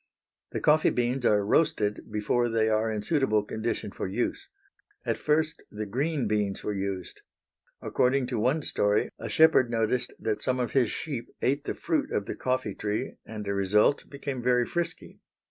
The coffee beans are roasted before they are in suitable condition for use. At first the green beans were used. According to one story, a shepherd noticed that some of his sheep ate the fruit of the coffee tree, and, as a result, became very frisky.